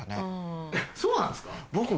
そうなんですか？